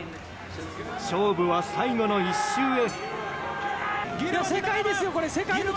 勝負は最後の１周へ。